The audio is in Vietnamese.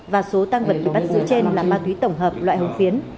và số tăng vật bị bắt giữ trên là ma túy tổng hợp loại hồng phiến